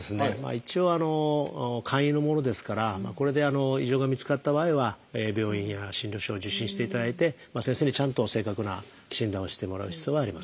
一応簡易のものですからこれで異常が見つかった場合は病院や診療所を受診していただいて先生にちゃんと正確な診断をしてもらう必要があります。